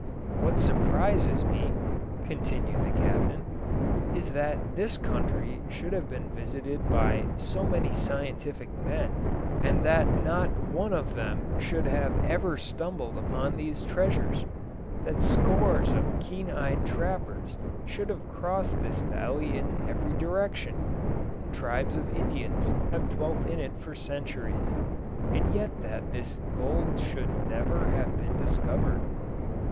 "What surprises me," continued the Captain, "is that this country should have been visited by so many scientific men, and that not one of them should have ever stumbled upon these treasures; that scores of keen eyed trappers should have crossed this valley in every direction, and tribes of Indians have dwelt in it for centuries, and yet that this gold should have never been discovered.